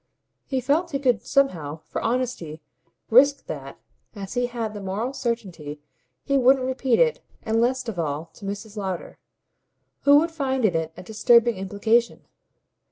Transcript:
He felt he could somehow, for honesty, risk that, as he had the moral certainty she wouldn't repeat it and least of all to Mrs. Lowder, who would find in it a disturbing implication.